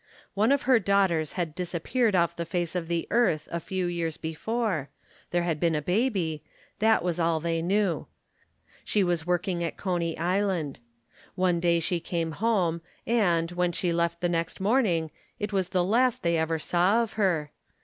One of her daughters had disap peared off the face of the earth a few years before there had been a baby that was all they knew. She was working at Coney Island. One day she came home and, when she left the next morning, it was the last they ever saw of her.